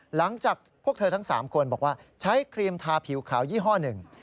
หลังจากพวกเธอทั้ง๓คนบอกว่าใช้ครีมทาผิวขาวยี่ห้อหนึ่ง